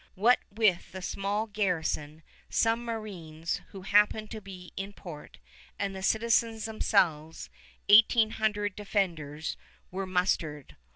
What with the small garrison, some marines who happened to be in port, and the citizens themselves, eighteen hundred defenders were mustered.